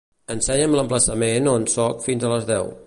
Ensenya l'emplaçament on soc fins a les deu.